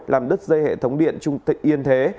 làm đứt dây hệ thống điện trung thịnh yên thế